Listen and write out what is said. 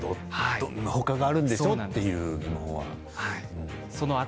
他があるんでしょうという疑問。